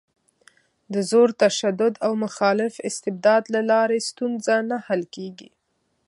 د زور، تشدد او مخالف استبداد له لارې ستونزه نه حل کېږي.